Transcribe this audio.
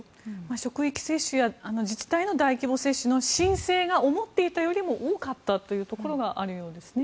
職域接種や自治体の大規模接種の申請が思っていたよりも多かったというところがあるようですね。